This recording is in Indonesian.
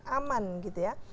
aman gitu ya